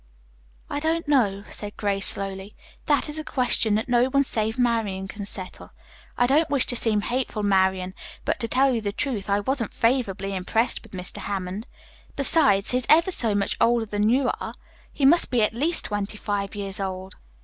"I don't know," said Grace slowly. "That is a question that no one save Marian can settle. I don't wish to seem hateful, Marian, but to tell you the truth, I wasn't favorably impressed with Mr. Hammond. Besides, he is ever so much older than you are. He must be at least twenty five years old."